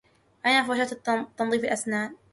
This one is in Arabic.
أين فرشاة تنظيف الأسنان؟